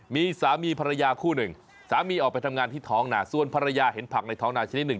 มีสามีภรรยาคู่หนึ่งสามีออกไปทำงานที่ท้องนาส่วนภรรยาเห็นผักในท้องนาชนิดหนึ่ง